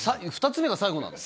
２つ目が最後なの？